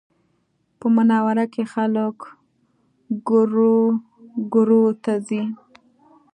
په منوره کې خلک ګورګورو ته ځي